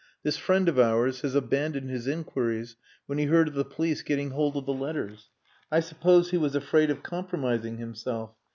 This friend of ours has abandoned his inquiries when he heard of the police getting hold of the letters. I suppose he was afraid of compromising himself.